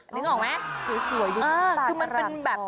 นึกออกไหมสวยดีคือมันเป็นแบบ